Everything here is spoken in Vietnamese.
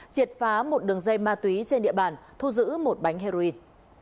triệt phá một đường dây ma túy trên địa bàn thu giữ một bánh heroin